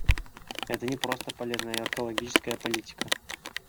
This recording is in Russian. Это не просто полезная экологическая политика.